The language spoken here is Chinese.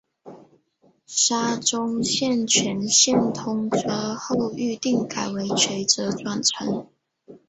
沙中线全线通车后预定改为垂直转乘。